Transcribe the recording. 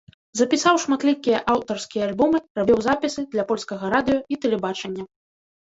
Запісаў шматлікія аўтарскія альбомы, рабіў запісы для польскага радыё і тэлебачання.